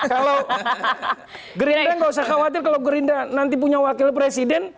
kalau gerintra gak usah khawatir kalau gerintra nanti punya wakil presiden